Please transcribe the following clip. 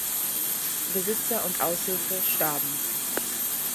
Besitzer und Aushilfe starben.